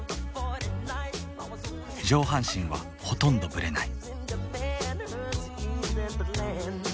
上半身はほとんどブレない。